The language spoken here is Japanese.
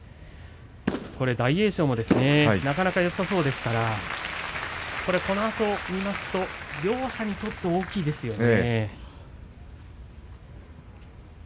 大栄翔もなかなかよさそうですからこのあとを見ますと両者にとって大きいですよね。